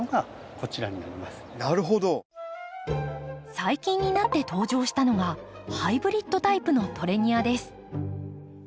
最近になって登場したのがハイブリッドタイプのトレニアです。